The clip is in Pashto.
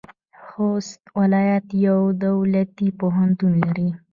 خوست ولایت یو دولتي پوهنتون لري.